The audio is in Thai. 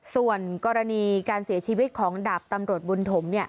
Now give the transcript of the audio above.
ส่วนกรณีการเสียชีวิตของดาบตำรวจบุญถม